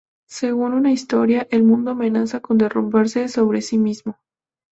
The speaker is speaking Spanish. Según una historia, el mundo amenaza con derrumbarse sobre sí mismo.